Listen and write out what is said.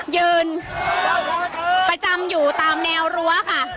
ยืนประจำอยู่ตามแนวรั้วค่ะ